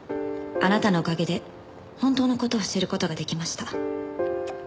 「あなたのおかげで本当のことを知ることができました」